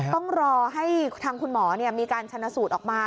ต้องรอให้ทางคุณหมอมีการชนะสูตรออกมา